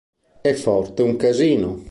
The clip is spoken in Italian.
È forte un casino!